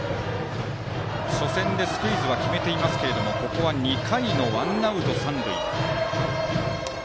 初戦でスクイズは決めていますがここは２回のワンアウト三塁。